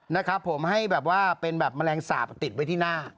นะครับผมให้แบบว่าเป็นแบบแมลงสาปติดไว้ที่หน้า